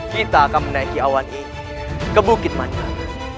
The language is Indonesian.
kita akan menaiki awan ini ke bukit mandat